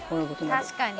「確かに。